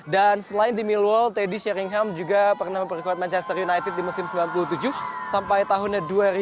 dan selain di millwall teddy sheringham juga pernah memperkuat manchester united di musim sembilan puluh tujuh sampai tahun dua ribu satu